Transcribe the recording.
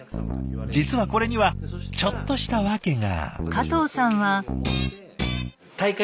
実はこれにはちょっとした訳が。